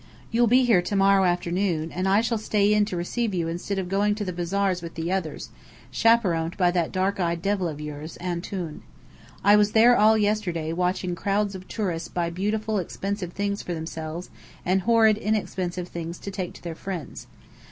You'll be here to morrow afternoon, and I shall stay in to receive you instead of going to the bazaars with the others, chaperoned by that dark eyed devil of yours, "Antoun." I was there all yesterday, watching crowds of tourists buy beautiful expensive things for themselves, and horrid inexpensive things to take to their friends.